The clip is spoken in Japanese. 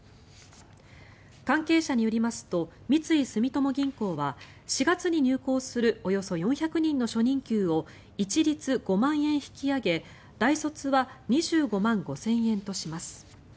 関係者によりますと三井住友銀行は４月に入行するおよそ４００人の初任給を一律５万円引き上げ、大卒は２５万５０００円とします。